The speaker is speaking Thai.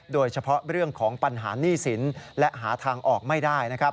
โดยเฉพาะเรื่องของปัญหาหนี้สินและหาทางออกไม่ได้นะครับ